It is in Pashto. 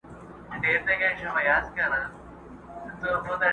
بیا نارې د یا قربان سوې له کیږدیو٫